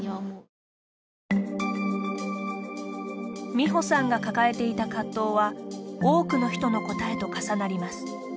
美保さんが抱えていた葛藤は多くの人の答えと重なります。